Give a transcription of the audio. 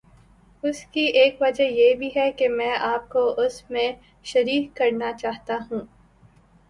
اس کی ایک وجہ یہ بھی ہے کہ میں آپ کو اس میں شریک کرنا چاہتا ہوں۔